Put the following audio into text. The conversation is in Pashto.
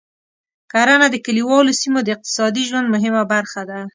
کرنه د کليوالو سیمو د اقتصادي ژوند مهمه برخه ده.